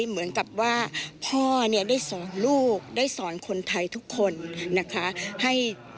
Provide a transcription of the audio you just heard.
เหมือนกับว่าพ่อเนี่ยได้สอนลูกได้สอนคนไทยทุกคนนะคะ